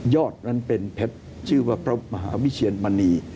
นั้นเป็นเพชรชื่อว่าพระมหาวิเชียรมณี